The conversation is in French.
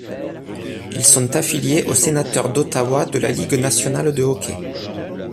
Ils sont affiliés aux Sénateurs d'Ottawa de la Ligue nationale de hockey.